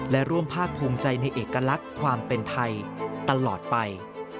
และร่วมภาคภูมิใจในเอกลักษณ์ความเป็นไทยตลอดไป